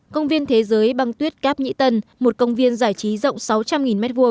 công viên thế giới băng tuyết cáp nhĩ tân một công viên giải trí rộng sáu trăm linh m hai